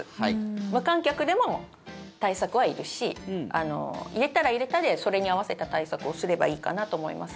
無観客でも対策はいるし入れたら入れたでそれに合わせた対策をすればいいかなと思います。